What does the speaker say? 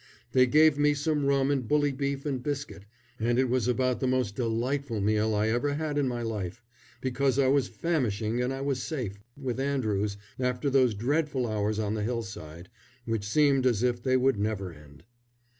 They gave me some rum and bully beef and biscuit, and it was about the most delightful meal I ever had in my life, because I was famishing and I was safe, with Andrews, after those dreadful hours on the hillside, which seemed as if they would never end.